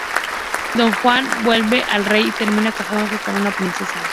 Don Juan vuelve y el rey termina casándose con una princesa.